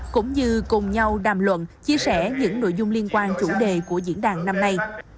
cũng như cùng nhau đàm luận chia sẻ những nội dung liên quan chủ đề của diễn đàn năm nay